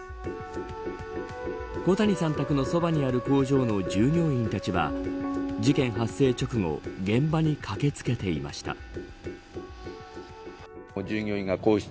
小谷さん宅のそばにある工場の従業員たちは事件発生直後現場に駆け付けていました。